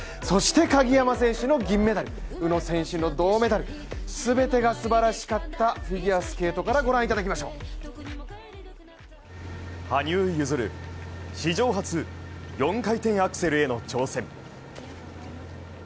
そして鍵山選手の銀メダル、宇野選手の銅メダル、全てがすばらしかったフィギュアスケートから御覧いただきましょう羽生結弦、史上初４回転アクセルへの挑戦。